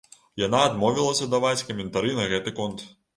Яна адмовілася даваць каментары на гэты конт.